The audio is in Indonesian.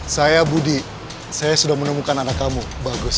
saya budi saya sudah menemukan anak kamu bagus